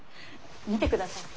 見てください。